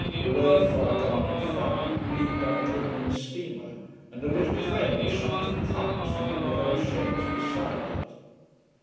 Away far down in front leaned our glimmering steamer, and a little train was shunting trucks among the low sheds beside it.